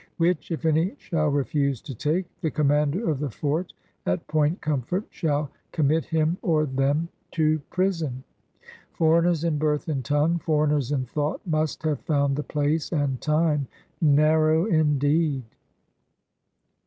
'^ Which if any shall refuse to take/' the commander of the fort at Point Com fort shall ^^committ him or them to prison." Foreigners in birth and tongue, foreigners in thought, must have found the place and time narrow indeed.